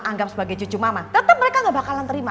anggap sebagai cucu mama tetap mereka gak bakalan terima